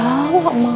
ya om gak mau